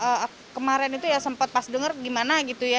eh kemarin itu ya sempat pas denger gimana gitu ya